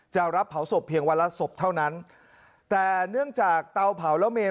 จะรับเผาศพเพียงวันละศพเท่านั้นแต่เนื่องจากเตาเผาแล้วเมน